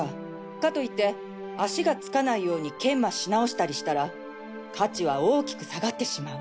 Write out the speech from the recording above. かといって足がつかないように研磨しなおしたりしたら価値は大きく下がってしまう。